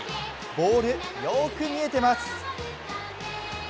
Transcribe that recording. ボール、よーく見えてます。